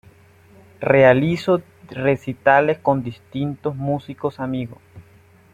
Realizó recitales con distintos músicos amigos.